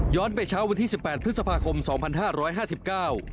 ไปเช้าวันที่สิบแปดพฤษภาคมสองพันห้าร้อยห้าสิบเก้า